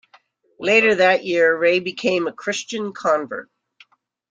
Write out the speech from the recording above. Later that year Ray became a Christian convert.